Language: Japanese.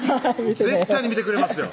絶対に見てくれますよ